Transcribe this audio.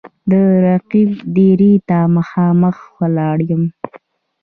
د رقیب دېرې ته مـــخامخ ولاړ یـــم